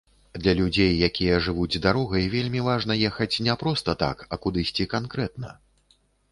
Для людзей, якія жывуць дарогай, вельмі важна ехаць не проста так, а кудысьці канкрэтна.